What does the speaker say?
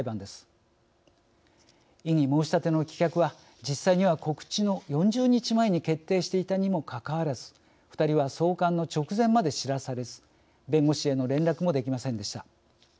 異議申し立ての棄却は実際には告知の４０日前に決定していたにもかかわらず２人は送還の直前まで知らされず弁護士への連絡もできませんでした。